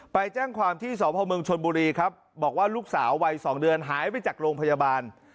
ไปแจ้งความที่สพเมืองชนบุรีครับบอกว่าลูกสาววัย๒เดือนหายไปจากโรงพยาบาล